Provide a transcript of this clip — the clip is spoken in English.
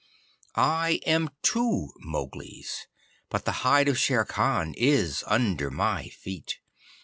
I am two Mowglis, but the hide of Shere Khan is under my feet.